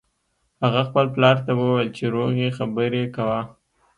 هغه خپل پلار ته وویل چې روغې خبرې کوه